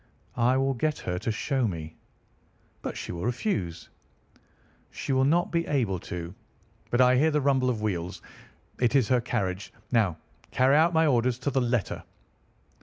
"I will get her to show me." "But she will refuse." "She will not be able to. But I hear the rumble of wheels. It is her carriage. Now carry out my orders to the letter."